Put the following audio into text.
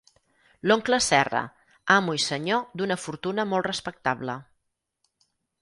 L'oncle Serra, amo i senyor d'una fortuna molt respectable.